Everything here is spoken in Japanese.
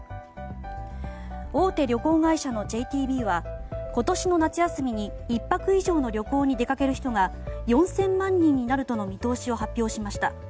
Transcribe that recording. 大手旅行会社のＪＴＢは今年の夏休みに１泊以上の旅行に出かける人が４０００万人になるとの見通しを発表しました。